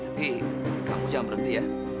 tapi kamu jangan berhenti ya